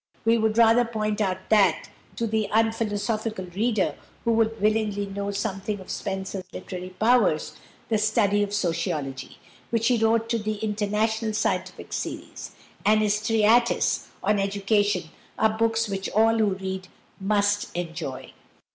We would rather point out that, to the unphilosophical reader, who would willingly know something of Spencer's literary powers, the "Study of Sociology," which he wrote for the "International Scientific Series," and the treatise on "Education" are books which all who read must enjoy.